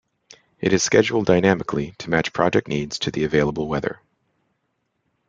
It is scheduled dynamically to match project needs to the available weather.